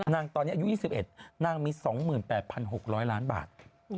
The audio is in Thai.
นางตอนนี้อายุ๒๑นางมี๒๘๖๐๐ล้านบาท